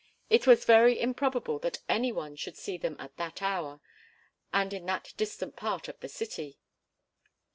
It was very improbable that any one should see them at that hour, and in that distant part of the city.